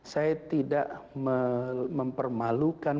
saya tidak mempermalukan